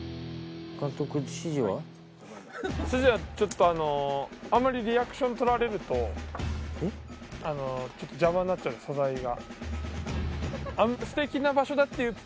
指示はちょっとあのあんまりリアクションとられるとちょっと邪魔になっちゃうんで素材が。